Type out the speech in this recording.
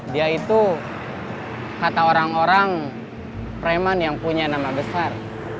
dia itu kata orang orang preman yang punya nama besar